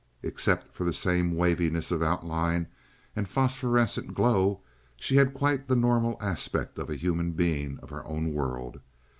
Except for the same waviness of outline and phosphorescent glow, she had quite the normal aspect of a human being of our own world.